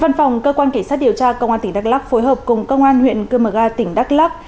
văn phòng cơ quan kỳ sát điều tra công an tỉnh đắk lắc phối hợp cùng công an huyện cư mờ ga tỉnh đắk lắc